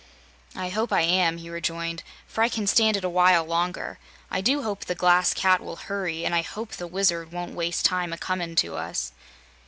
"I hope I am," he rejoined, "for I can stand it a while longer. I do hope the Glass Cat will hurry, and I hope the Wizard won't waste time a comin' to us."